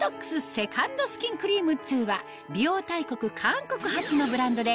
セカンドスキンクリーム２は美容大国韓国発のブランドで